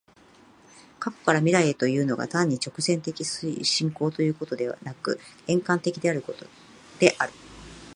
過去から未来へというのが、単に直線的進行ということでなく、円環的であるということである。